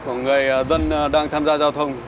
của người dân đang tham gia giao thông